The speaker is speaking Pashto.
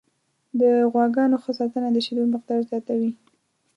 د غواګانو ښه ساتنه د شیدو مقدار زیاتوي.